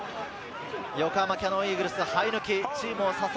横浜キヤノンイーグルス、はえ抜き。